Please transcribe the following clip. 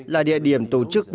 là địa điểm tổ chức những